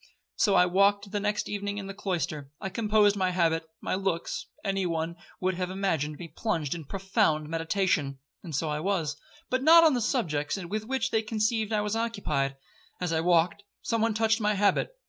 So I walked the next evening in the cloister. I composed my habit,—my looks; any one would have imagined me plunged in profound meditation,—and so I was, but not on the subjects with which they conceived I was occupied. As I walked, some one touched my habit.